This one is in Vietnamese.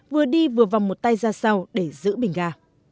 vừa đi vừa vòng một tay ra sau để giữ bình ga